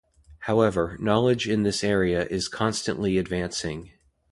However, knowledge in this area is constantly advancing.